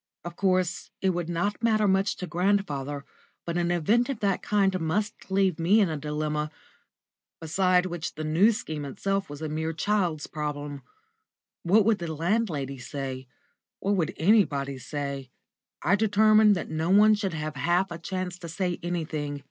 Of course, it would not matter much to grandfather, but an event of that kind must leave me in a dilemma, beside which the New Scheme itself was a mere child's problem. What would the landlady say? What would anybody say? I determined that no one should have half a chance to say anything.